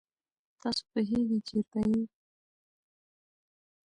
تاسو پوهېږئ چېرته یئ؟